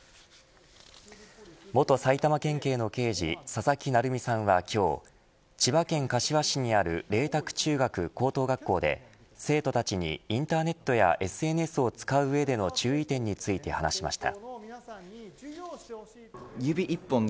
元埼玉県警の刑事佐々木成三さんは、今日千葉県柏市にある麗澤中学・高等学校で生徒たちにインターネットやＳＮＳを使う上での注意点について話しました。